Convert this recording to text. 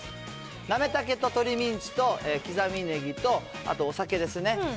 なめたけと鶏ミンチと刻みネギと、あとお酒ですね。